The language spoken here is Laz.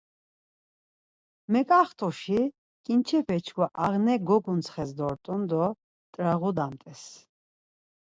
Meǩaxtuşi ǩinçepe çkva ağne goǩuntsxes dort̆un do t̆rağodumt̆es.